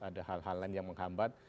ada hal hal lain yang menghambat